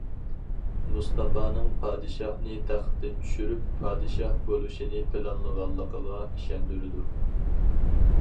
مۇستاپانىڭ پادىشاھنى تەختتىن چۈشۈرۈپ، پادىشاھ بولۇشنى پىلانلىغانلىقىغا ئىشەندۈرىدۇ.